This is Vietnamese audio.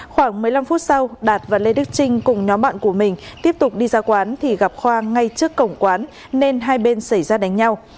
khoảng một mươi năm phút sau đạt và lê đức trinh cùng nhóm bạn của mình tiếp tục đi ra quán thì gặp khoa ngay trước cổng quán nên hai bên xảy ra đánh nhau